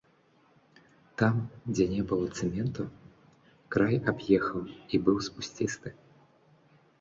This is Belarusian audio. Там, дзе не было цэменту, край аб'ехаў і быў спусцісты.